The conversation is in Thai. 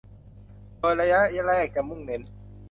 โดยระยะแรกจะมุ่งเน้น